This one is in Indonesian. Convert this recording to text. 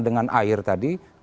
dengan air tadi